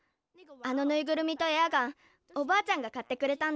あのぬいぐるみとエアガンおばあちゃんが買ってくれたんだって？